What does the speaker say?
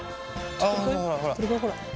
あほらほらほら。